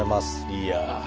いや。